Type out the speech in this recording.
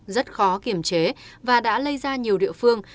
rất khó kiểm chế và đã lây ra nhiều địa phương